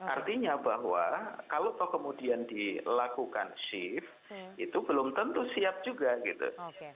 artinya bahwa kalau kemudian dilakukan shift itu belum tentu siap juga gitu